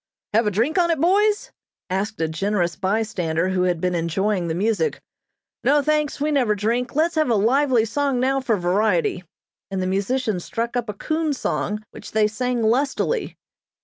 "Have a drink on it, boys?" asked a generous bystander who had been enjoying the music. "No, thanks, we never drink. Let's have a lively song now for variety," and the musician struck up a coon song, which they sang lustily.